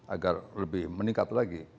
agar lebih meningkat lagi